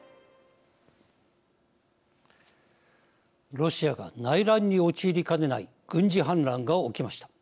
ロシアが内乱に陥りかねない軍事反乱が起きました。